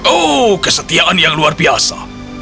oh kesetiaan yang luar biasa